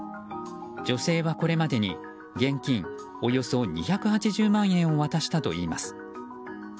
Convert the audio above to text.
女性はこれまでに現金およそ２８０万円を渡したといいます。